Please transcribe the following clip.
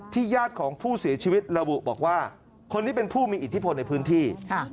ญาติของผู้เสียชีวิตระบุบอกว่าคนนี้เป็นผู้มีอิทธิพลในพื้นที่